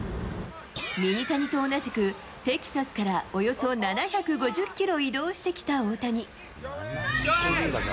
ミニタニと同じく、テキサスからおよそ７５０キロ移動してきた大谷。